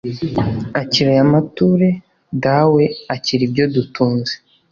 akira aya mature dawe akira ibyo dutunze